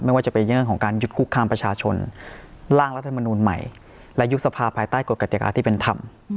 ว่าจะเป็นเรื่องของการหยุดคุกคามประชาชนร่างรัฐมนูลใหม่และยุบสภาภายใต้กฎกติกาที่เป็นธรรม